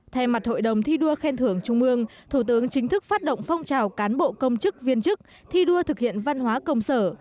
thay mặt hội đồng thi đua khen thưởng trung ương thủ tướng chính thức phát động phong trào cán bộ công chức viên chức thi đua thực hiện văn hóa công sở